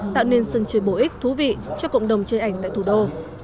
tạo nên sân chơi bổ ích thú vị cho cộng đồng chơi ảnh tại thủ đô